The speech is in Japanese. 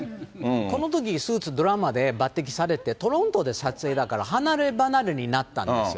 このとき、スーツ、ドラマで抜てきされて、トロントで撮影だから離れ離れになったんですよ。